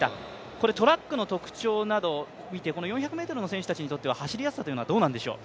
これトラックの特徴などを見て、４００ｍの選手たちにとっては走りやすさというのはどうなんでしょう？